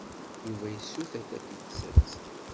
Yuba yessuter tapizzat.